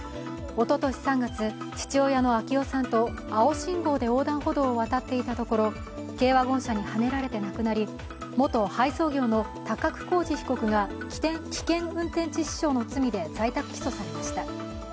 おととし３月、父親の暁生さんと青信号で横断歩道を渡っていたところ軽ワゴン車にはねられて亡くなり、元配送業の高久浩二被告が危険運転致死傷の罪で在宅起訴されました。